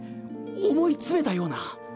思いつめたような。